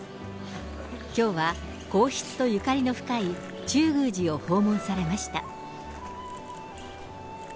きょうは皇室とゆかりの深い中宮寺を訪問されました。